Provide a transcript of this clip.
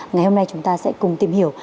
ngày hôm nay chúng ta sẽ cùng tìm hiểu